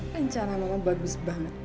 rencana mama bagus banget